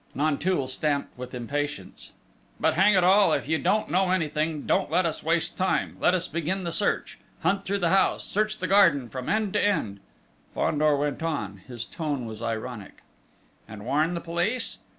Nanteuil stamped with impatience. "But hang it all! If you don't know anything, don't let us waste time! Let us begin the search! Hunt through the house! Search the garden from end to end!..." Fandor went on his tone was ironic. "And warn the police?